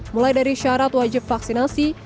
mulai dari syarat wajib vaksinasi